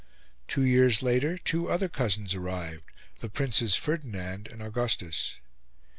Two years later, two other cousins arrived, the Princes Ferdinand and Augustus.